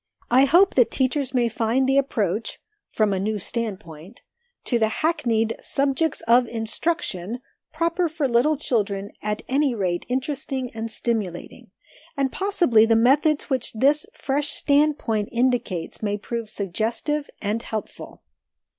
I hope that teachers may find the approach (from a new standpoint), to the hackneyed "subjects of instruction" proper for little children at any rate interesting and stimulating ; and possibly the methods which this fresh standpoint indicates may prove suggestive and helpful.